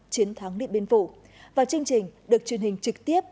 chiến thắng điện biên phủ và chương trình được truyền hình trực tiếp